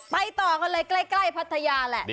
ต่อกันเลยใกล้พัทยาแหละ